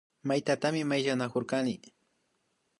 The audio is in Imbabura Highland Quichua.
Matitami mayllanakurkani